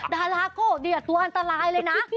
ดาราโก้เดียตัวอันตรายเลยนะ